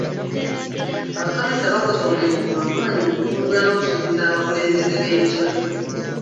Abasomesa bakoze omulimu gw'amaanyi okugunjula n'okusomesa abakulembeze b'enkya.